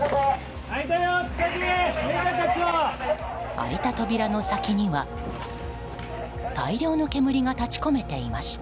開いた扉の先には大量の煙が立ち込めていました。